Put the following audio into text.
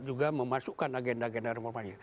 juga memasukkan agenda agenda reformasi